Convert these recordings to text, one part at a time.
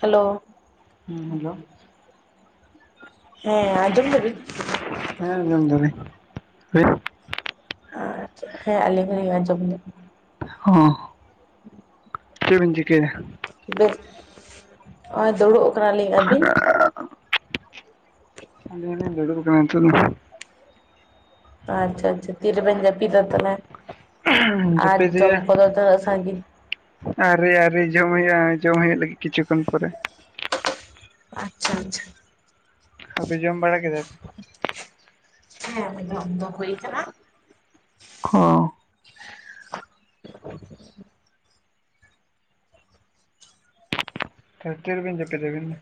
Hello. ᱦᱩᱸ hello. ᱦᱮᱸ ᱟᱸᱡᱚᱢ ᱫᱟᱵᱤᱱ? ᱦᱮᱸ ᱟᱡᱚᱢ ᱫᱟᱞᱤᱧ᱾ ᱟᱪᱪᱷᱟ, ᱦᱮ ᱟᱞᱤᱧ ᱦᱚᱸᱞᱤᱧ ᱟᱡᱚᱢ ᱧᱟᱢᱫᱟ᱾ ᱦᱚᱸ᱾ [inaudible] ᱪᱮᱫ ᱵᱤᱱ ᱪᱤᱠᱟ. ᱭᱫᱟ? ᱵᱮᱥ ᱦᱚᱸᱜᱼᱚᱭ ᱫᱩᱲᱩᱵ ᱠᱟᱱᱟᱞᱤᱧ᱾ ᱟᱹᱵᱤᱱ? ᱟᱞᱤᱧ ᱦᱚ ᱞᱤᱧ ᱫᱩᱲᱩᱵ ᱟᱠᱟᱱᱟ ᱱᱤᱛᱚᱜ ᱫᱚ᱾ ᱟᱪᱪᱷᱟ ᱟᱪᱪᱷᱟ ᱛᱤᱨᱮᱵᱮᱱ ᱡᱟᱹᱯᱤᱫᱟ ᱛᱟᱦᱚᱞᱮ ᱟᱨ ᱡᱚᱢ ᱠᱚᱫᱚ ᱛᱤᱱᱟᱹᱜ ᱥᱟᱺᱜᱤᱧ? ᱟᱣᱨᱤ ᱟᱣᱨᱤ ᱡᱚᱢ ᱦᱩᱭᱩᱜ-ᱟ᱾ ᱡᱚᱢ ᱦᱩᱭᱩᱜ ᱞᱟᱹᱜᱤᱫ ᱠᱤᱪᱷᱩ ᱠᱷᱚᱱ ᱯᱚᱨᱮ᱾ ᱟᱪᱪᱷᱟ ᱟᱪᱪᱷᱟ᱾ ᱟᱯᱮ ᱡᱚᱢ ᱵᱟᱲᱟ ᱡᱮᱫᱟ ᱯᱮ? ᱦᱮᱸ ᱟᱞᱮ ᱡᱚᱢ ᱫᱚ ᱦᱩᱭ ᱠᱟᱱᱟ᱾ ᱦᱚ᱾ ᱛᱟᱦᱞᱮ ᱛᱤ ᱨᱮᱵᱤᱱ ᱡᱟᱯᱤᱫᱟ ᱟᱵᱤᱱ ᱫᱚ?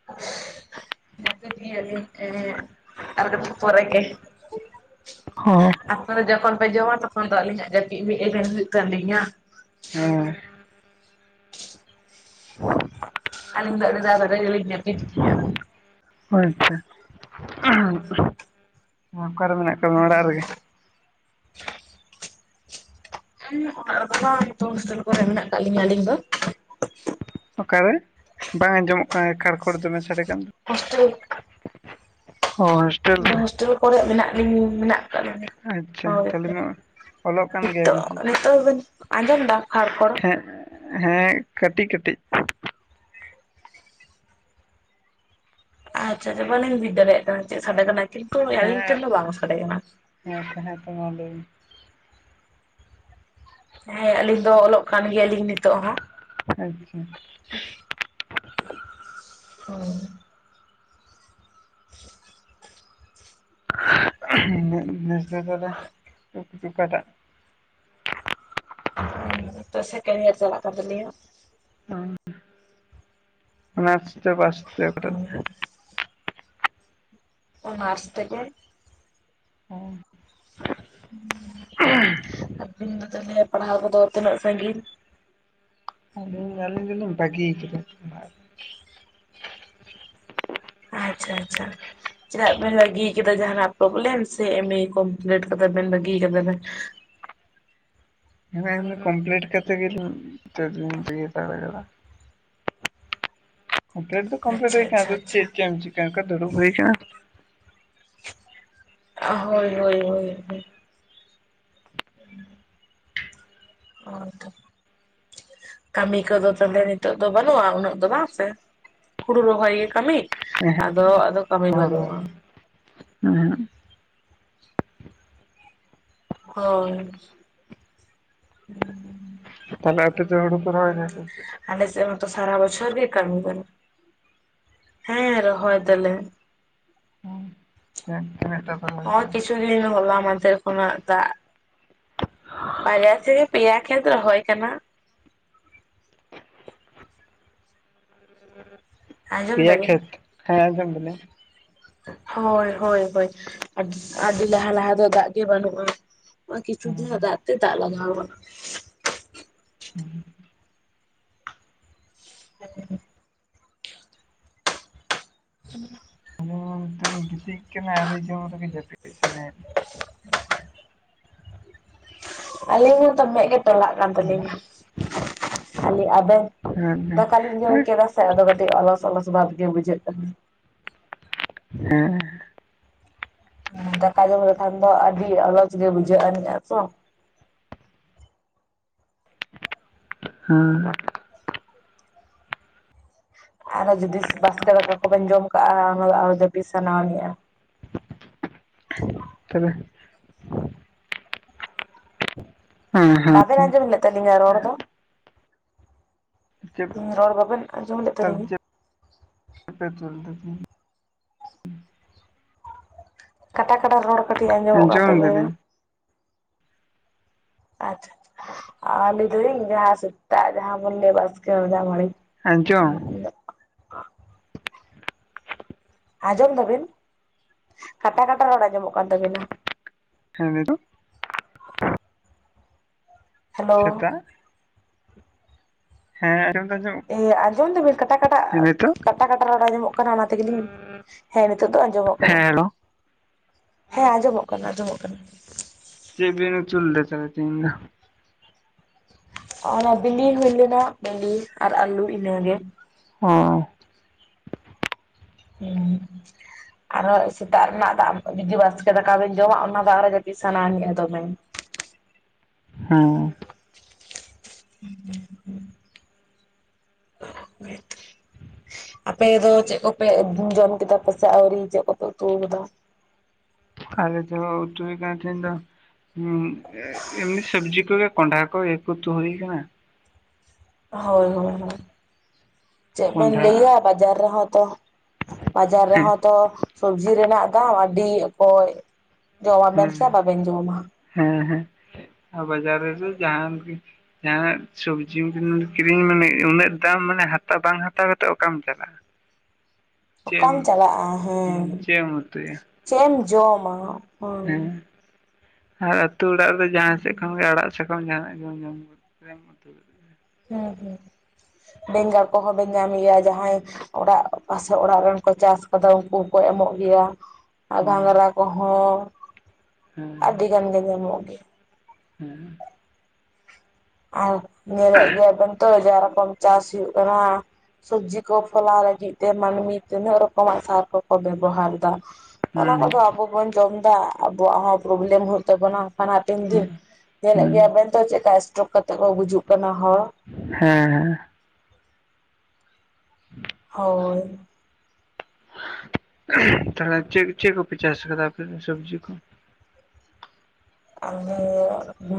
[inaudible] ᱡᱟᱯᱤᱫ ᱜᱮᱭᱟᱞᱤᱧ ᱮᱸᱜ ᱟᱨ ᱠᱟᱴᱤᱡ ᱯᱚᱨᱮ ᱜᱮ᱾ ᱦᱳ [inaudible] ᱟᱯᱮ ᱫᱚ ᱡᱚᱠᱷᱚᱱ ᱯᱮ ᱡᱚᱢᱟ ᱛᱚᱠᱷᱚᱱ ᱫᱚ ᱟᱹᱞᱤᱧᱟᱜ ᱡᱟᱹᱯᱤᱫ ᱢᱤᱫ ᱮᱵᱮᱱ ᱦᱩᱭᱩᱜ ᱛᱟᱞᱤᱧᱟ᱾ ᱦᱮᱸ᱾ ᱟᱞᱤ ᱫᱚ ᱟᱹᱰᱤ ᱞᱟᱦᱟ ᱨᱮᱜᱮ ᱞᱤᱧ ᱡᱟᱯᱤᱫ ᱜᱮᱭᱟ᱾ ᱟᱪᱪᱷᱟ ᱚᱠᱟᱨᱮ ᱢᱮᱱᱟᱜ ᱠᱟᱜ ᱢᱮᱭᱟ ᱚᱲᱟᱜ ᱨᱮᱜᱮ? ᱚᱲᱟᱜ ᱠᱚᱨᱮ ᱫᱚ ᱵᱟᱝ ᱱᱤᱛᱚᱝ ᱦᱳᱥᱴᱮᱞ ᱠᱚᱨᱮ ᱢᱮᱱᱟᱜ ᱟᱠᱟᱫ ᱞᱤᱧᱟ ᱟᱞᱤᱧ ᱫᱚ ᱾ ᱚᱠᱟᱨᱮ ᱵᱟᱝ ᱟᱡᱚᱢᱚᱜ ᱠᱟᱱᱟ, ᱠᱷᱟᱲ ᱠᱷᱚᱲ ᱫᱚᱢᱮ ᱥᱟᱰᱮ ᱠᱟᱱᱟ᱾ ᱦᱳᱥᱴᱮᱞ ᱦᱳᱭ ᱦᱳᱥᱴᱮᱞ ᱨᱮ, ᱦᱳᱭ ᱢᱮᱱᱟᱜ ᱞᱤᱧ ᱢᱮᱱᱟᱜ ᱠᱟᱫ ᱞᱤᱧᱼᱟ᱾ ᱟᱪᱪᱷᱟ ᱛᱟᱦᱚᱞᱮ ᱢᱟ ᱚᱞᱚᱜ ᱠᱟᱱ ᱜᱮᱭᱟ ᱱᱤᱛᱚᱜ ᱥᱮ ᱱᱤᱛᱚᱜ ᱵᱮᱱ ᱟᱸᱡᱚᱢ ᱫᱟ ᱠᱷᱟᱲ ᱠᱷᱚᱲ ᱪᱮᱫ [inaudible] ᱦᱮᱸ ᱠᱟᱹᱴᱤᱡ ᱠᱟᱹᱴᱤᱡ ᱟᱪᱪᱷᱟ ᱟᱪᱪᱷᱟ ᱵᱟᱹᱞᱤᱧ ᱵᱩᱡ ᱫᱟᱲᱮᱭᱟᱜ ᱠᱟᱱᱟ ᱪᱮᱫ ᱥᱟᱰᱮ ᱠᱟᱱᱟᱭ ᱠᱤᱱᱛᱩ ᱟᱹᱞᱤᱧ ᱴᱷᱮᱱ ᱫᱚ ᱵᱟᱝ ᱥᱟᱰᱮ ᱠᱟᱱᱟ᱾ ᱦᱮᱸ ᱛᱚ ᱦᱮᱸ ᱛᱚ ᱢᱟ ᱞᱟᱹᱭ ᱵᱤᱱ᱾ ᱦᱮᱸ ᱟᱹᱞᱤᱧ ᱫᱚ ᱚᱞᱚᱜ ᱠᱟᱱ ᱜᱮᱭᱟᱞᱤᱧ ᱱᱤᱛᱚᱜ ᱦᱚ᱾ ᱟᱪᱪᱷᱟ ᱦᱩ᱾ ᱱᱤᱥ ᱫᱚ ᱛᱟᱦᱮᱞᱮ ᱴᱚᱯᱤᱠ ᱚᱠᱟ ᱴᱟᱜ [inaudible] ᱦᱩ ᱛᱚ ᱥᱮᱠᱮᱱᱰ ᱤᱭᱟᱨ ᱪᱟᱞᱟᱜ ᱠᱟᱱ ᱛᱟᱞᱤᱧᱟ᱾ ᱚᱱᱟᱨᱥ ᱛᱮ ᱥᱮ ᱯᱟᱥ ᱛᱮ ᱚᱠᱟᱴᱟᱜ? ᱦᱳᱭ ᱚᱱᱟᱨᱥ ᱛᱮᱜᱮᱼᱼ [inaudible] ᱟᱵᱤᱱ ᱫᱚ ᱛᱟᱦᱞᱮ ᱯᱟᱲᱦᱟᱣ ᱠᱚᱫᱚ ᱛᱤᱱᱟᱹᱜ ᱥᱟᱺᱜᱤᱧ ᱟᱹᱞᱤᱧ ᱟᱹᱞᱤᱧ ᱫᱚᱞᱤᱧ ᱵᱟᱹᱜᱤ ᱠᱟᱫᱟ᱾ ᱟᱪᱪᱷᱟ ᱟᱪᱪᱷᱟ᱾ ᱪᱮᱫᱟᱜ ᱵᱮᱱ ᱵᱟᱹᱜᱤ ᱟᱠᱟᱫᱟ ᱡᱟᱦᱟᱱᱟᱜ ᱯᱨᱚᱵᱞᱮᱢ ᱥᱮ ᱮᱢᱮ ᱠᱚᱢᱯᱞᱤᱴ ᱠᱟᱫᱟ ᱵᱮᱱ ᱵᱟᱜᱤ ᱠᱟᱫᱟ ᱵᱮᱱ ᱮᱢᱮ ᱮᱢᱮ ᱠᱚᱢᱯᱮᱞᱮᱰ ᱠᱟᱛᱮ ᱜᱮᱞᱤᱧ ᱱᱤᱛᱳᱜ ᱫᱚ ᱞᱤᱧ ᱵᱟᱜᱤ ᱦᱟᱛᱟᱲ ᱟᱠᱟᱫᱼᱟ᱾ [unintelligible] ᱠᱚᱢᱯᱮᱞᱮᱰ ᱫᱚ ᱠᱚᱢᱯᱮᱞᱮᱰ ᱟᱪᱪᱷᱟ ᱦᱩᱭ ᱟᱠᱟᱱᱟ ᱟᱪᱪᱷᱟ ᱟᱫᱚ ᱟᱪᱪᱷᱟ ᱪᱮᱫ ᱮᱢ ᱪᱤᱠᱟ ᱚᱱᱠᱟ ᱫᱩᱲᱩᱵ ᱦᱩᱭ ᱟᱠᱟᱱᱟ᱾ ᱟ ᱦᱳᱭ ᱦᱳᱭ ᱦᱳᱭ, ᱦᱳᱭ ᱛᱚ ᱠᱟᱹᱢᱤ ᱠᱚᱫᱚ ᱛᱚᱵᱮ ᱱᱤᱛᱚᱜ ᱫᱚ ᱵᱟᱹᱱᱩᱜᱼᱟ ᱩᱱᱟᱹᱜ ᱫᱚ ᱵᱟᱝ ᱥᱮ? ᱦᱩᱲᱩ ᱨᱚᱦᱚᱭ ᱜᱮ ᱠᱟᱹᱢᱤ ᱦᱮᱸ ᱟᱫᱚ ᱟᱫᱚ ᱠᱟᱹᱢᱤ ᱦᱳᱲᱳ ᱵᱟᱹᱱᱩᱜᱼᱟ᱾ ᱦᱩᱸ᱾ ᱦᱳᱭ ᱛᱟᱦᱮᱞᱮ ᱟᱯᱮ ᱫᱚ ᱦᱩᱲᱩ ᱯᱮ ᱨᱚᱦᱚᱭ ᱫᱟ ᱥᱮ ᱥᱮᱫ ᱟᱞᱮ ᱥᱮᱫ ᱢᱟᱛᱚ ᱥᱟᱨᱟ ᱵᱚᱪᱷᱚᱨ ᱜᱮ ᱠᱟᱹᱢᱤ ᱵᱟᱱᱩᱜ ᱦᱮᱸ ᱨᱚᱦᱚᱭ ᱫᱟᱞᱮ᱾ ᱛᱤᱱᱤᱥᱴᱟᱠᱟ [inaudible] ᱚ ᱠᱤᱪᱩ ᱫᱤᱱ ᱦᱚᱞᱟ ᱢᱟᱫᱷᱮᱨ ᱠᱷᱚᱱᱟᱜ ᱫᱟᱜ ᱵᱟᱨᱭᱟ ᱥᱮᱜᱮ ᱯᱮᱭᱟ ᱠᱷᱮᱛ ᱨᱚᱦᱚᱭ ᱠᱟᱱᱟ᱾ ᱦᱮ [inaudible] ᱟᱸᱡᱚᱢ ᱫᱟᱵᱤᱱ? ᱫᱟᱞᱤᱧ ᱦᱳᱭ ᱦᱳᱭ ᱦᱳᱭ ᱟᱹᱰᱤ ᱞᱟᱦᱟ ᱞᱟᱦᱟ ᱫᱚ ᱫᱟᱜ ᱜᱮ ᱵᱟᱹᱱᱩᱜᱼᱟ᱾ ᱱᱚᱜ-ᱚᱭ ᱠᱤᱪᱷᱩ ᱦᱩᱸ ᱫᱤᱱ ᱫᱟᱜ ᱛᱮ ᱫᱟᱜ ᱞᱟᱜᱟᱣ ᱟᱠᱟᱱᱟ᱾ ᱦᱮᱸ [unintelligible] ᱦ [inaudible] ᱦᱩᱸ [unintelligible] ᱟᱞᱤᱧ ᱢᱟ ᱱᱤᱛᱚᱜ ᱞᱤᱧ ᱜᱤᱛᱤᱡ ᱠᱟᱱᱟ ᱟᱰᱤ ᱡᱳᱨ ᱜᱮ ᱡᱟᱯᱤᱫ ᱥᱟᱱᱟᱭᱮᱫ ᱟᱞᱤᱧ ᱦᱚᱸ ᱛᱚ ᱢᱮᱫ ᱜᱮ ᱴᱞᱟ ᱞᱤᱧᱟ ᱠᱟᱱᱞᱤᱧᱟ ᱟᱞᱤ ᱟᱵᱮᱱ ᱦᱮᱸ ᱫᱟᱠᱟᱞᱤᱧ ᱡᱚᱢ ᱠᱮᱫᱟ ᱟᱫᱚ ᱠᱟᱹᱴᱤᱡ ᱚᱞᱚᱥ ᱚᱞᱚᱥ ᱵᱷᱟᱵ ᱜᱮ ᱵᱩᱡᱷᱟᱹᱜ ᱠᱟᱱᱟ᱾ [unintelligible] ᱦᱩ ᱫᱟᱠᱟ ᱡᱚᱢ ᱞᱮᱠᱷᱟᱱ ᱫᱚ ᱟᱹᱰᱤ ᱟᱞᱚᱪ ᱜᱮ ᱵᱩᱡᱷᱟᱹᱜ ᱟᱱᱤᱡᱟ ᱛᱚ᱾ [inaudible] ᱟᱨᱦᱚᱸ ᱡᱩᱫᱤ ᱵᱟᱥᱠᱮ ᱫᱟᱠᱟ ᱠᱚᱵᱮᱱ ᱡᱚᱢ ᱠᱟᱜᱼᱟ ᱚᱱᱟ ᱫᱚ ᱟᱨᱦᱚ ᱡᱟᱯᱤᱫᱽ ᱥᱟᱱᱟᱣ ᱟᱱᱤᱡᱟ ᱾ [inaudible] ᱦᱮᱸ ᱦᱮᱸ ᱛᱚ ᱵᱟᱵᱮᱱ ᱟᱸᱡᱚᱢ ᱞᱮᱫ ᱛᱟᱞᱤᱧᱟ ᱨᱚᱲ ᱫᱚ? ᱪᱮᱫ ᱦᱮᱸ ᱨᱚᱲ ᱵᱟᱵᱮᱱ ᱟᱸᱡᱚᱢ ᱞᱮᱫ ᱛᱟᱦᱚᱞᱮ ᱛᱟᱞᱤᱧᱟ? ᱪᱮᱫ [inaudible] ᱠᱟᱴᱟ ᱠᱟᱴᱟ ᱨᱚᱲ ᱠᱟᱹᱴᱤᱡ ᱟᱸᱡᱚᱢᱚᱜ ᱟᱠᱱ ᱡᱚᱢ ᱛᱟᱵᱤᱱᱟ᱾ ᱫᱟᱞᱤᱧ ᱟᱪᱷᱟ ᱟ ᱞᱟᱹᱭ ᱫᱟᱞᱤᱧ ᱡᱟᱦᱟᱸ ᱥᱮᱛᱟᱜ ᱡᱟᱦᱟᱸ ᱵᱚᱱ ᱞᱟᱹᱭᱟ ᱵᱟᱥᱠᱮ ᱡᱟᱦᱟᱸ [inaudible] ᱟᱡᱚᱢ ᱾ ᱟᱸᱡᱚᱢ ᱫᱟᱵᱤᱱ ᱠᱟᱴᱟ ᱠᱟᱴᱟ ᱨᱚᱲ ᱟᱸᱡᱚᱢᱚᱜ ᱠᱟᱱ ᱛᱟᱹᱵᱤᱱᱟ ᱾ [unintelligible] ᱦᱮᱞᱳ ᱾ ᱥᱮᱛᱟᱜ ᱦᱮᱸ ᱟᱸᱡᱚᱢ ᱫᱚ ᱟᱸᱡᱚᱢᱜ ᱮᱸ ᱟᱸᱡᱚᱢ ᱫᱟᱵᱤᱱ ᱠᱟᱴᱟ ᱠᱟᱴᱟᱜ ᱠᱟᱴᱟ ᱠᱟᱴᱟ ᱨᱚᱲ ᱟᱸᱡᱚᱢᱚᱜ ᱠᱟᱱᱟ ᱚᱱᱟ ᱛᱮᱜᱮᱞᱤᱧ ᱦᱮᱸ ᱱᱤᱛᱚᱜ ᱫᱚ ᱟᱸᱡᱚᱢᱚᱜ ᱠᱟᱱᱟ ᱦᱮᱸ ᱦᱮᱞᱳ ᱦᱮᱸ ᱟᱸᱡᱚᱢᱚᱜ ᱠᱟᱱᱟ ᱟᱸᱡᱚᱢᱚᱜ ᱠᱟᱱᱟ ᱾ [inaudible] ᱚᱱᱟ ᱵᱤᱞᱤ ᱦᱩᱭ ᱞᱮᱱᱟ ᱵᱤᱞᱤ ᱟᱨ ᱟᱞᱩ ᱤᱱᱟᱹᱜᱮ ᱾ ᱚᱻ [unintelligible] ᱟᱨᱦᱚᱸ ᱥᱮᱛᱟᱜ ᱨᱮᱱᱟᱜ ᱫᱟᱜ ᱢᱟᱹᱲᱤ ᱡᱩᱫᱤ ᱵᱟᱥᱠᱮ ᱫᱟᱠᱟ ᱵᱤᱱ ᱡᱚᱢᱟ ᱚᱱᱟ ᱫᱚ ᱟᱨᱦᱚ ᱡᱟᱯᱤᱫᱽ ᱥᱟᱱᱟ ᱟᱱᱤᱡᱟ ᱫᱚᱢᱮ᱾ ᱦᱩᱸ ᱾ [unintelligible] [unintelligible] ᱟᱯᱮ ᱫᱚ ᱪᱮᱫ ᱠᱚᱯᱮ ᱡᱚᱢ ᱠᱮᱫᱟ ᱯᱮᱥᱮ ᱟᱹᱣᱨᱤ ᱪᱮᱫ ᱠᱚᱯᱮ ᱩᱛᱩ ᱟᱠᱟᱫᱟ? ᱟᱞᱮ ᱫᱚ ᱩᱛᱩ ᱦᱩᱭ ᱠᱟᱱᱟ ᱛᱤᱦᱤᱧ ᱫᱚ [inaudible] ᱮᱢᱱᱤ ᱥᱚᱵᱡᱤ ᱠᱚᱜᱮ ᱠᱚᱸᱰᱦᱷᱟ ᱠᱚ ᱤᱭᱟᱹ ᱠᱚ ᱩᱛᱩ ᱦᱩᱭᱩ ᱟᱠᱟᱱᱟ᱾ ᱦᱳᱭ ᱦᱳᱭ ᱪᱮᱫ ᱵᱮᱱ ᱠᱚᱸᱰᱷᱟ ᱞᱟᱹᱭᱟ ᱵᱟᱡᱟᱨ ᱨᱮᱦᱚᱸ ᱛᱚ ᱵᱟᱡᱟᱨ ᱦᱮᱸ ᱨᱮᱦᱚᱸ ᱛᱚ ᱥᱚᱵᱡᱤ ᱨᱮᱱᱟᱜ ᱫᱟᱢ ᱟᱹᱰᱤ ᱠᱚᱡ ᱡᱚᱢ ᱟᱵᱮᱱ ᱦᱮᱸ ᱥᱮ ᱵᱟᱵᱮᱱ ᱡᱚᱢᱟ ᱾ ᱦᱮᱸ ᱦᱮᱸ ᱟᱨ ᱵᱟᱡᱟᱨ ᱨᱮᱫᱚ ᱡᱟᱦᱟᱱ ᱜᱮ ᱡᱟᱦᱟᱸᱱᱟᱜ ᱥᱚᱵᱽᱡᱤ ᱠᱤᱨᱤᱧ ᱢᱟᱱᱮ ᱩᱱᱟᱹᱜ ᱫᱟᱢ ᱢᱟᱱᱮ ᱦᱟᱛᱟᱣ ᱵᱟᱝ ᱦᱟᱛᱟᱣ ᱠᱟᱛᱮᱫ ᱚᱠᱟᱢ ᱪᱟᱞᱟᱜᱼᱟ ᱾ ᱚᱠᱟᱢ ᱪᱟᱞᱟᱜᱼᱟ ᱦᱮᱸ ᱪᱮᱫ ᱮᱢ ᱩᱛᱩᱭᱟ ᱾ ᱪᱮᱜ ᱮᱢ ᱡᱚᱢᱼᱟ ᱦᱩ ᱾ ᱦᱮᱸ ᱟᱨ ᱟᱹᱛᱩ ᱚᱲᱟᱜ ᱨᱮᱫᱚ ᱡᱟᱦᱟᱸ ᱥᱮᱫ ᱠᱷᱚᱱ ᱜᱮ ᱟᱲᱟᱜ ᱥᱟᱠᱟᱢ ᱡᱟᱦᱟᱱᱟᱜ ᱜᱮᱢ ᱧᱟᱢᱟ [unintelligible] ᱦᱩᱸ ᱦᱩᱸ ᱵᱮᱸᱜᱟᱲ ᱠᱚᱦᱚᱸ ᱵᱮᱱ ᱧᱟᱢᱮᱭᱟ ᱡᱟᱦᱟᱸᱭ ᱚᱲᱟᱜ ᱯᱟᱥᱮ ᱚᱲᱟᱜ ᱨᱮᱱ ᱠᱚ ᱪᱟᱥ ᱠᱟᱫᱟ ᱩᱱᱠᱩ ᱦᱚᱸᱠᱚ ᱮᱢᱚᱜ ᱜᱮᱭᱟ ᱾ ᱟᱨ ᱦᱩᱸ ᱜᱷᱟᱸᱽᱨᱟ ᱠᱚᱦᱚᱸ ᱦᱮᱸ ᱟᱹᱰᱤ ᱜᱟᱱ ᱜᱮ ᱧᱟᱢᱚᱜ ᱜᱮᱭᱟ ᱾ [unintelligible] ᱟᱨ ᱧᱮᱞᱮᱫ ᱜᱮᱭᱟᱵᱮᱱ ᱛᱚ ᱡᱟ ᱨᱚᱠᱚᱢ ᱪᱟᱥ ᱦᱩᱭᱩᱜ ᱠᱟᱱᱟ ᱾ ᱥᱚᱵᱽᱡᱤ ᱠᱚ ᱯᱷᱚᱞᱟᱣ ᱞᱟᱹᱜᱤᱫ ᱛᱮ ᱢᱟᱹᱱᱢᱤ ᱛᱤᱱᱟᱹᱜ ᱨᱚᱠᱚᱢᱟᱜ ᱥᱟᱨ ᱠᱚᱠᱚ ᱵᱮᱵᱚᱦᱟᱨ ᱮᱫᱟ᱾ ᱚᱱᱟ ᱦᱮᱸ ᱠᱚᱫᱚ ᱟᱵᱚ ᱵᱚᱱ ᱡᱚᱢᱫᱟ ᱟᱵᱚᱣᱟᱜ ᱦᱚᱸ ᱯᱨᱚᱵᱞᱮᱢ ᱦᱩᱭᱩᱜ ᱛᱟᱵᱚᱱᱟ ᱦᱟᱜ ᱠᱷᱟᱱ ᱦᱟᱯᱮᱱ ᱫᱤᱱ᱾ ᱦᱮᱸ ᱧᱮᱞᱮᱜ ᱦᱮᱸ ᱜᱮᱭᱟ ᱵᱮᱱ ᱛᱚ ᱪᱮᱠᱟ ᱥᱴᱚᱠ ᱠᱟᱛᱮ ᱠᱚ ᱜᱩᱡᱩᱜ ᱠᱟᱱᱟ ᱦᱚᱲ ᱾ ᱦᱮᱸ ᱦᱮᱸ ᱾ [inaudible] ᱦᱳᱭ ᱾ ᱛᱟᱦᱚᱞᱮ ᱪᱮᱫ ᱪᱮᱫ ᱠᱚᱯᱮ ᱪᱟᱥ ᱠᱟᱫᱟ ᱟᱯᱮ ᱫᱚ ᱥᱚᱵᱽᱡᱤ ᱠᱚ? ᱟᱠᱮᱻ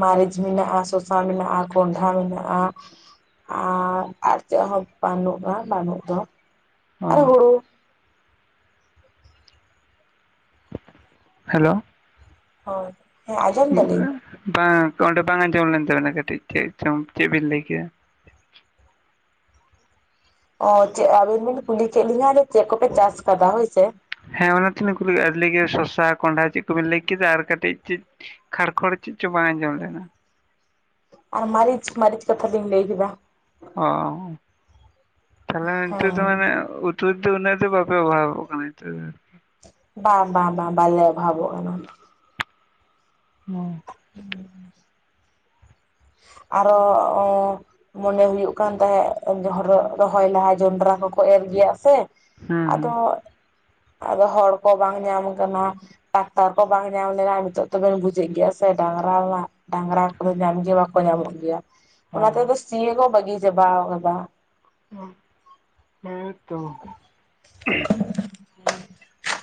ᱢᱟᱹᱨᱤᱪ ᱢᱮᱱᱟᱜᱼᱟ, ᱥᱚᱥᱟ ᱢᱮᱱᱟᱜᱼᱟ, ᱠᱚᱸᱰᱷᱟ ᱢᱮᱱᱟᱜᱼᱟ, ᱟᱨ ᱟᱨ ᱪᱮᱫ ᱦᱚᱸ ᱵᱟᱹᱱᱩᱜᱼᱟ ᱵᱟᱹᱱᱩᱜ ᱫᱚ, ᱚ ᱟᱨ ᱦᱩᱲᱩ ᱦᱮᱞᱳ! ᱦᱳᱭ ᱦᱮᱸ ᱟᱸᱡᱚᱢ ᱫᱟᱞᱤᱧ [inaudible] ᱵᱟᱝ ᱚᱸᱰᱮ ᱵᱟᱝ ᱟᱸᱡᱚᱢ ᱞᱮᱱ ᱛᱟᱵᱮᱱᱟ ᱠᱟᱹᱴᱤᱡ ᱪᱮᱫ ᱪᱚᱝ ᱪᱮᱫ ᱵᱤᱱ ᱞᱟᱹᱭ ᱠᱮᱜᱼᱟ? ᱚ ᱪᱮᱫ ᱟᱵᱤᱱ ᱵᱤᱱ ᱠᱩᱞᱤ ᱠᱮᱫ ᱞᱤᱧᱟᱹ ᱡᱮ ᱪᱮᱫ ᱠᱚᱯᱮ ᱪᱟᱥ ᱟᱠᱟᱫᱟ ᱦᱳᱭ ᱥᱮ? ᱦᱮᱸ ᱚᱱᱟ ᱛᱚᱞᱤᱧ ᱠᱩᱞᱤ ᱠᱮᱫ ᱞᱟᱸᱭ ᱠᱮᱫᱟ ᱥᱚᱥᱟ ᱠᱚᱸᱰᱷᱟ, ᱪᱮᱫ ᱠᱚᱵᱤᱱ ᱞᱟᱹᱭ ᱠᱮᱫᱟ ᱟᱨ ᱠᱟᱹᱴᱤᱡ ᱪᱮᱫ ᱠᱷᱟᱲ ᱠᱷᱚᱲ ᱪᱮᱫ ᱪᱚ ᱵᱟᱝ ᱟᱸᱡᱚᱢ ᱞᱮᱱᱟ! ᱟᱨ ᱢᱟᱹᱨᱤᱪ ᱢᱟᱹᱨᱤᱪ ᱠᱟᱛᱷᱟ ᱞᱤᱧ ᱞᱟᱹᱭ ᱠᱮᱫᱟ᱾ ᱚ, ᱛᱟᱞᱦᱮ ᱱᱤᱛᱳᱜ ᱫᱚ ᱦᱮᱸ ᱢᱟᱱᱮ ᱩ ᱛᱩ ᱫᱚ ᱩᱱᱟᱹᱜ ᱫᱚ ᱵᱟᱯᱮ ᱚᱵᱷᱟᱵᱚᱜ ᱠᱟᱱᱟ ᱱᱤᱛᱳᱜ ᱫᱚ ᱾ ᱵᱟ ᱵᱟᱝ ᱵᱟ ᱵᱟᱞᱮ ᱚᱵᱷᱟᱵᱚᱜ ᱠᱟᱱᱟ ᱾ ᱱᱚᱣᱟ [inaudible] ᱟᱨᱚ ᱚᱻ ᱢᱚᱱᱮ ᱦᱩᱭᱩᱜ ᱠᱟᱱ ᱛᱟᱦᱮᱸᱫ ᱦᱚᱨᱟᱜ ᱨᱚᱦᱚᱭ ᱞᱟᱦᱟ ᱡᱚᱱᱰᱨᱟ ᱠᱚᱠᱚ ᱮᱨ ᱜᱮᱭᱟ ᱥᱮ ᱦᱩᱸ ᱦᱮᱸ ᱾ ᱟᱫᱚ ᱟᱫᱚ ᱦᱚᱲ ᱠᱚ ᱵᱟᱝ ᱧᱟᱢ ᱠᱟᱱᱟ᱾ ᱴᱟᱠᱴᱟᱨ ᱠᱚ ᱵᱟᱝ ᱧᱟᱢ ᱞᱮᱱᱟ ᱱᱤᱛᱳᱜ ᱛᱚ ᱵᱮᱱ ᱵᱩᱡ ᱮᱜ ᱜᱮᱭᱟ ᱥᱮ ᱰᱟᱝᱨᱟ ᱢᱟ ᱰᱟᱝᱨᱟ ᱠᱚᱫᱚ ᱧᱟᱢ ᱜᱮ ᱵᱟᱠᱚ ᱧᱟᱢᱚᱜ ᱜᱮᱭᱟ ᱾ ᱚᱱᱟ ᱛᱮ ᱟᱫᱚ ᱥᱤ ᱦᱚᱠᱚ ᱵᱟᱹᱜᱤ ᱪᱟᱵᱟᱣ ᱠᱟᱫᱟ ᱾ ᱦᱳᱭ, ᱦᱮᱸ ᱛᱚ ᱾ [inaudible]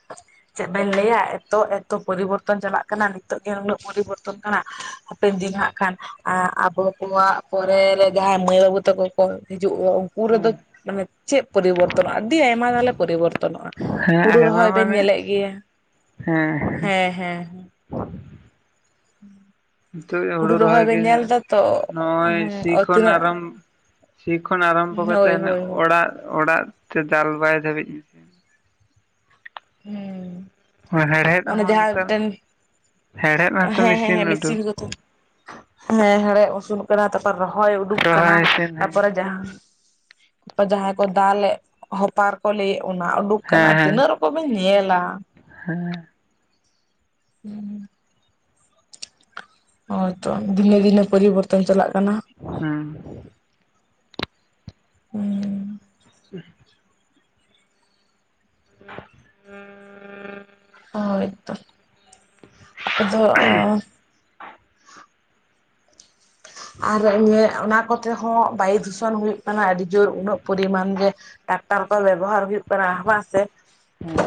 [inaudible] ᱪᱮᱫ ᱵᱮᱱ ᱞᱟᱹᱭᱟ ᱮᱛᱚ ᱮᱛᱚ ᱯᱚᱨᱤᱵᱚᱨᱛᱚᱱ ᱪᱟᱞᱟᱜ ᱠᱟᱱᱟ ᱱᱤᱛᱚᱜ ᱜᱮ ᱩᱱᱟᱹᱜ ᱯᱚᱨᱤᱵᱚᱨᱛᱚᱱ ᱠᱟᱱᱟ, ᱦᱟᱯᱮᱱ ᱫᱤᱱ ᱦᱟᱸᱜ ᱠᱷᱟᱱ ᱟᱸ ᱟᱵᱚ ᱠᱚᱣᱟᱜ ᱯᱚᱨᱮ ᱨᱮ ᱡᱟᱦᱟᱸᱭ ᱢᱟᱹᱭ ᱵᱟᱹᱵᱩ ᱛᱟᱠᱚ ᱠᱚ ᱦᱤᱡᱩᱜ ᱩᱱ ᱨᱮᱫᱚ ᱦᱮᱸ ᱢᱟᱱᱮ ᱪᱮᱫ ᱯᱚᱨᱤᱵᱚᱨᱛᱚᱱᱚᱜᱼᱟ? ᱟᱹᱰᱤ ᱟᱭᱢᱟ ᱛᱟᱦᱚᱞᱮ ᱯᱚᱨᱤᱵᱚᱨᱛᱚᱱᱚᱜᱼᱟ ᱦᱮᱸ ᱦᱩᱲᱩ ᱟᱭᱢᱟ ᱨᱚᱦᱚᱭ ᱵᱮᱱ ᱢᱟᱱᱮ ᱧᱮᱞᱮᱜ ᱜᱮᱭᱟ, ᱦᱮᱸ ᱦᱮᱸ ᱦᱮᱸ ᱦᱮᱸ ᱾ ᱱᱤᱛᱚᱜ ᱦᱩᱲᱩ ᱨᱚᱦᱚᱭ ᱵᱮᱱ ᱜᱮ ᱧᱮᱞ ᱫᱟ ᱛᱚ [inaudible] ᱱᱚᱜᱼᱚᱭ ᱥᱤ ᱦᱩᱸ ᱠᱷᱚᱱ ᱛᱤᱱᱟᱹᱜ ᱟᱨᱟᱢ ᱥᱤ ᱠᱷᱚᱱ ᱟᱨᱟᱢᱵᱚ ᱠᱟᱛᱮ ᱦᱳᱭ ᱦᱟᱱᱮ ᱦᱳᱭ ᱦᱳᱭ ᱚᱲᱟᱜ ᱚᱲᱟᱜ ᱛᱮ ᱫᱟᱞ ᱵᱟᱭ ᱫᱷᱟᱹᱵᱤᱡ ᱦᱩᱸ, ᱦᱮᱲᱦᱮᱫ ᱚᱱᱮ ᱦᱚᱸ ᱡᱟᱦᱟᱸ ᱱᱮᱛᱟᱨ ᱢᱤᱫᱴᱮᱱ ᱦᱮᱲᱦᱮᱫ ᱦᱚᱸᱛᱚ ᱦᱮᱸ ᱦᱮᱸ ᱦᱮᱸ ᱩᱰᱩᱠ ᱢᱮᱥᱤᱱ ᱜᱮᱛᱚ ᱦᱮᱸ ᱦᱮᱲᱦᱮ ᱩᱥᱩᱞᱚᱜ ᱠᱟᱱᱟ ᱛᱟᱯᱚᱨ ᱨᱚᱦᱚᱭ ᱩᱰᱩᱠ ᱠᱟᱱᱟ ᱨᱚᱦᱚᱭ ᱥᱮᱱ ᱦᱮᱸ ᱛᱟᱯᱚᱨᱮ ᱡᱟᱦᱟᱸ ᱡᱟᱦᱟᱸᱭ ᱠᱚ ᱫᱟᱞᱮᱜ ᱦᱚᱯᱟᱨ ᱠᱚ ᱞᱟᱹᱭᱮᱜ ᱚᱱᱟ ᱩᱰᱩᱠ ᱠᱟᱱᱟ, ᱦᱮᱸ ᱟᱨ ᱛᱤᱱᱟᱹᱜ ᱨᱚᱠᱚᱢ ᱵᱮ ᱧᱮᱞᱼᱟ! ᱦᱮᱸ ᱾ ᱦᱩᱸ ᱾ ᱦᱳᱭᱛᱚ ᱫᱤᱱᱮ ᱫᱤᱱᱮ ᱯᱚᱨᱤᱵᱚᱨᱛᱚᱱ ᱪᱟᱞᱟᱜ ᱠᱟᱱᱟ᱾ ᱦᱮᱸ ᱾ ᱦᱮᱸ ᱾ [inaudible] [inaudible] ᱦᱳᱭ ᱛᱚ ᱟᱯᱮᱫᱚ ᱟᱨ ᱚᱱᱨ ᱚᱱᱟ ᱠᱚᱛᱮ ᱦᱚᱸ ᱵᱟᱭᱩ ᱫᱩᱥᱚᱱ ᱦᱩᱭᱩᱜ ᱠᱟᱱᱟ ᱟᱹᱰᱤ ᱡᱳᱨ ᱩᱱᱟᱹᱜ ᱯᱚᱨᱤᱢᱟᱱ ᱜᱮ ᱴᱨᱟᱠᱴᱟᱨ ᱠᱚ ᱵᱮᱵᱚᱦᱟᱨ ᱦᱩᱭᱩᱜ ᱠᱟᱱᱟ ᱵᱟᱝᱥᱮ? ᱦᱩᱸ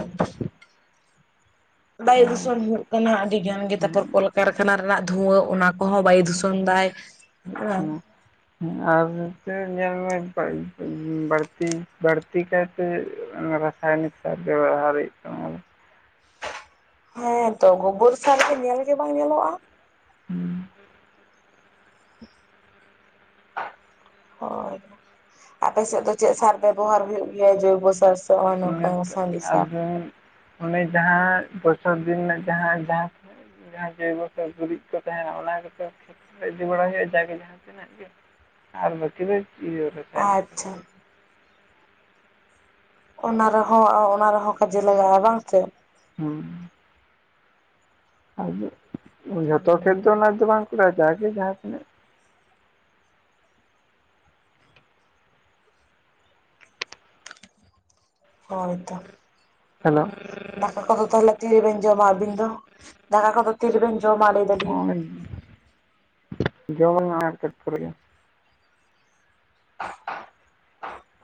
ᱵᱟᱭᱩ ᱫᱩᱥᱚᱱ ᱦᱩᱸ ᱦᱩᱭᱩᱜ ᱠᱟᱱᱟ ᱟᱹᱰᱤ ᱜᱟᱱ ᱜᱮ᱾ ᱛᱟᱯᱚᱨ ᱠᱚᱞᱠᱟᱨᱠᱷᱟᱱᱟ ᱨᱮᱱᱟᱜ ᱫᱷᱩᱣᱟᱹ ᱚᱱᱟ ᱠᱚᱦᱚᱸ ᱵᱟᱭ ᱫᱩᱥᱚᱱ ᱫᱟᱭ ᱥᱮᱵᱟ? ᱦᱩᱸ ᱟᱨ ᱨᱮᱫᱮ ᱧᱮᱞᱢᱮ [unintelligible] ᱵᱟᱲᱛᱤ ᱵᱟᱲᱛᱤ ᱠᱟᱭᱛᱮ ᱚᱱᱟ ᱨᱟᱥ ᱥᱟᱭᱱᱤᱠ [unintelligible] ᱦᱮᱸ ᱛᱚ ᱜᱳᱵᱚᱨ ᱥᱟᱨ ᱫᱚ ᱧᱮᱞ ᱜᱮ ᱵᱟᱝ ᱧᱮᱞᱚᱜ-ᱟ᱾ [unintelligible] ᱦᱳᱭ ᱟᱯᱮ ᱥᱮᱫ ᱫᱚ ᱪᱮᱫ ᱥᱟᱨ ᱵᱮᱵᱚᱦᱟᱨ ᱦᱩᱭᱩᱜ ᱜᱮᱭᱟ? ᱡᱳᱭᱵᱚ ᱥᱟᱨ ᱥᱮ ᱦᱚᱸᱜᱚᱭ ᱱᱚᱝᱠᱟ ᱚᱱᱮ ᱥᱟᱸᱜᱮ ᱥᱟᱨ? ᱟᱫᱚ ᱚᱱᱮ ᱡᱟᱦᱟᱸ ᱵᱚᱪᱷᱚᱨ ᱫᱤᱱ ᱨᱮᱱᱟᱜ ᱡᱟᱦᱟᱸ ᱡᱟᱦᱟ ᱡᱟᱦᱟᱸ ᱡᱳᱭᱵᱚ ᱥᱮ ᱜᱩᱨᱤᱡ ᱠᱚ ᱛᱟᱦᱮᱱᱟ ᱚᱱᱟ ᱠᱚᱫᱚ ᱠᱷᱮᱛᱨᱮ ᱤᱫᱤ ᱵᱟᱲᱟ ᱦᱩᱭᱩᱜ-ᱟ᱾ ᱡᱟᱜᱮ ᱡᱟᱦᱟᱸ ᱛᱤᱱᱟᱹᱜ ᱜᱮ ᱟᱨ ᱵᱟᱠᱤ ᱫᱚ ᱪᱤᱭᱟ ᱟᱪᱪᱷᱟ ᱚᱱᱟ ᱨᱮᱦᱚᱸ ᱚᱱᱟ ᱨᱮᱦᱚᱸ ᱠᱚ ᱡᱟᱞᱟᱹᱭᱟᱜ-ᱟ ᱵᱟᱝ ᱥᱮ? ᱦᱩᱸ ᱟᱫᱚ ᱡᱚᱛᱚ ᱠᱷᱮᱛ ᱫᱚ ᱚᱱᱟᱫᱚ ᱵᱟᱝ ᱠᱚᱞᱟᱜ-ᱟ᱾ ᱡᱟᱜᱮ ᱡᱟᱦᱟᱸ ᱛᱤᱱᱟᱹᱜ ᱦᱳᱭ ᱛᱚ᱾ ᱦᱮᱞᱳ ᱫᱟᱜ ᱫᱟᱠᱟ ᱫᱚ ᱛᱟᱦᱮᱞᱮ ᱛᱤᱨᱮ ᱵᱮᱱ ᱡᱚᱢᱟ ᱟᱵᱤᱱ ᱫᱚ? ᱫᱟᱠᱟ ᱠᱚᱫᱚ᱾ ᱛᱤᱨᱮᱵᱮᱱ ᱡᱚᱢᱟ ᱟᱵᱤᱱ ᱳᱭ ᱡᱚᱢᱟᱞᱤᱧ ᱱᱟᱜ ᱟᱨ ᱠᱟᱴᱤᱡ ᱯᱚᱨᱮ ᱜᱮ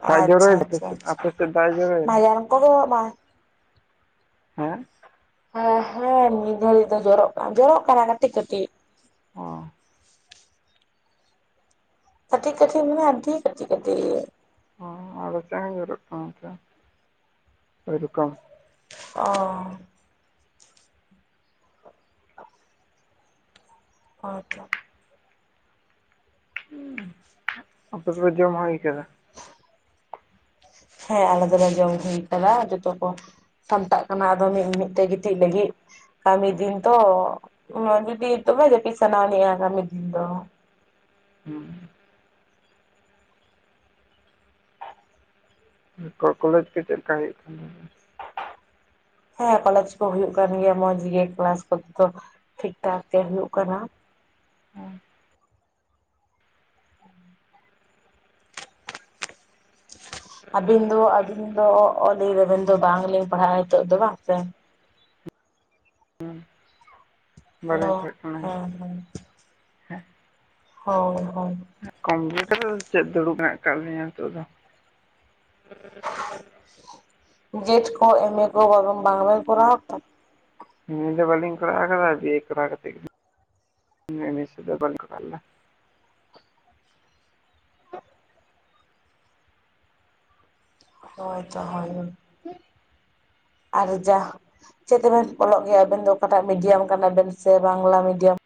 ᱫᱟᱜ ᱟᱪᱪᱷᱟ ᱡᱚᱨᱚᱭᱮᱫᱟ ᱟᱯᱮ ᱟᱪᱷᱟ ᱥᱮᱫ ᱟᱪᱷᱟ ᱟᱯᱮ ᱥᱮᱫ ᱫᱟᱜ ᱮ ᱡᱚᱨᱚᱭᱮᱫᱟ ᱯᱟᱭᱟᱨ ᱠᱚᱫᱚ ᱵᱟᱝ ᱦᱮ ᱦᱟᱜ ᱦᱮᱸ ᱦᱮᱸ ᱢᱤᱫᱜᱷᱟᱲᱤᱡ ᱫᱚ ᱡᱚᱨᱚᱜ ᱠᱟᱱᱟ ᱡᱚᱨᱚᱜ ᱠᱟᱱᱟ ᱠᱟᱹᱴᱤᱡ ᱠᱟᱹᱴᱤᱡ᱾ ᱚ ᱠᱟᱹᱴᱤᱡ ᱠᱟᱴᱤᱡ ᱢᱟᱱᱮ ᱟᱸᱰᱤ ᱠᱟᱹᱴᱤᱡ ᱠᱟᱹᱴᱤᱡ᱾ ᱚ ᱟᱞᱮ ᱥᱮᱫ ᱦᱚᱸ ᱧᱩᱨᱩᱜ ᱠᱟᱱᱟ ᱚᱝᱠᱮ ᱳᱭ ᱨᱚᱠᱚᱢ ᱚ ᱟᱪᱪᱷᱟ ᱟᱯᱮ ᱫᱚᱯᱮ ᱡᱚᱢ ᱦᱩᱭ ᱠᱟᱫᱟ? ᱦᱮᱸ ᱟᱞᱮ ᱫᱚᱞᱮ ᱡᱚᱢ ᱦᱩᱭ ᱠᱟᱱᱟ ᱡᱚᱛᱚ ᱠᱚ᱾ ᱥᱟᱢᱴᱟᱜ ᱠᱟᱱᱟ ᱟᱫᱚ ᱢᱤᱫ ᱢᱤᱫ ᱛᱮ ᱜᱤᱛᱤᱡ ᱞᱟᱹᱜᱤᱫ᱾ ᱠᱟᱹᱢᱤ ᱫᱤᱱ ᱛᱚ ᱩᱱᱟᱜ ᱡᱩᱫᱤ ᱫᱚᱢᱮ ᱡᱟᱹᱯᱤᱫ ᱥᱟᱱᱟᱢᱮᱭᱟ ᱠᱟᱹᱢᱤ ᱫᱤᱱ ᱫᱚ᱾ ᱦᱩᱸ ᱠᱚ ᱠᱚᱞᱮᱡᱽ ᱠᱚ ᱪᱮᱫ ᱞᱮᱠᱟ ᱦᱩᱭᱩᱜ ᱠᱟᱱᱟ? ᱦᱮᱸ ᱠᱚᱞᱮᱡᱽ ᱠᱚ ᱦᱩᱭᱩᱜ ᱠᱟᱱ ᱜᱮᱭᱟ ᱢᱚᱸᱡᱽ ᱜᱮ᱾ ᱠᱮᱞᱟᱥ ᱠᱚ ᱴᱷᱤᱠ ᱴᱷᱟᱠ ᱜᱮ ᱦᱩᱭᱩᱜ ᱠᱟᱱᱟ᱾ ᱦᱮᱸ [inaudible] ᱟᱹᱵᱤᱱ ᱫᱚ ᱟᱹᱵᱤᱱ ᱫᱚ ᱚ ᱞᱟᱭ ᱫᱟᱵᱤᱱ ᱫᱚ ᱵᱟᱝᱞᱤᱧ ᱯᱟᱲᱦᱟᱜ-ᱟ ᱱᱤᱛᱚᱜ ᱫᱚ ᱵᱟᱝ ᱥᱮ? ᱦᱩᱸ ᱦᱮᱞᱳ ᱵᱟᱞᱤᱧ ᱯᱟᱲᱦᱟᱜ ᱠᱟᱱᱟ᱾ ᱦᱮᱸ ᱦᱳ ᱦᱳᱭ ᱠᱚᱢᱯᱞᱤᱴᱟ ᱫᱚ ᱪᱮᱫ ᱫᱩᱲᱩᱵ ᱦᱮᱱᱟᱜ ᱠᱟᱜ ᱞᱤᱧᱟᱹ ᱱᱤᱛᱚᱜ ᱫᱚ? ᱡᱮᱴ ᱠᱚ ᱮᱢᱮᱹ ᱠᱚ ᱵᱟᱵᱚᱝ ᱵᱟᱝᱵᱮᱱ ᱠᱚᱨᱟᱣ ᱠᱟ? ᱮᱹᱢᱮ. ᱵᱟᱞᱤᱧ ᱠᱚᱨᱟᱣ ᱟᱠᱟᱫᱟ ᱵᱤᱮ ᱠᱚᱨᱟᱣ ᱠᱟᱛᱮ ᱢᱮ ᱢᱮᱥᱫᱚ ᱵᱟᱞᱤᱧ ᱠᱚᱨᱟᱣ ᱞᱮᱫᱟ᱾ ᱦᱳᱭ ᱛᱚ ᱦᱳᱭ, ᱟᱨ ᱡᱟ- ᱪᱮᱫ ᱛᱮᱵᱮᱱ ᱚᱞᱚᱜ ᱜᱮᱭᱟ ᱟᱵᱮᱱ ᱫᱚ ᱚᱠᱟᱴᱟᱜ ᱢᱤᱰᱤᱭᱟᱢ ᱠᱟᱱᱟᱵᱮᱱ ᱥᱮ ᱵᱟᱝᱞᱟ ᱢᱤᱰᱤᱭᱟᱢ?